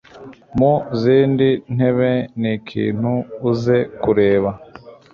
Mu zindi ntebe nikintu uze kureba